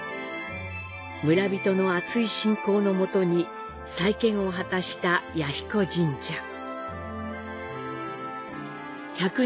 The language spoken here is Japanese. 村人の厚い信仰のもとに再建を果たした彌彦神社。